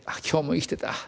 今日も生きてた。